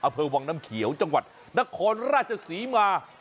อำเภอวังน้ำเขียวจังหวัดนครราชศรีมา